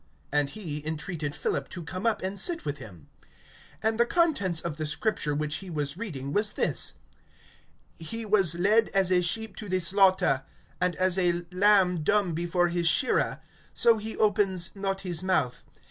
And he entreated Philip to come up, and sit with him. (32)And the contents of the Scripture which he was reading was this: He was led as a sheep to the slaughter; And as a lamb dumb before his shearer, So he opens not his mouth.